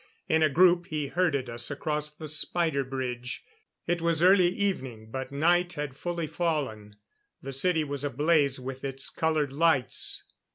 In a group, he herded us across the spider bridge. It was early evening, but night had fully fallen. The city was ablaze with its colored lights.